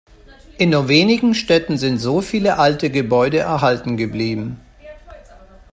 In nur wenigen Städten sind so viele alte Gebäude erhalten geblieben.